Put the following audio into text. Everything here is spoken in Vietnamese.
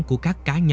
của các đồng nghiệp